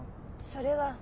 それは。